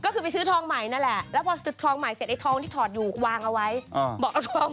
ผมจะร้องเพลงนี้ให้คุณ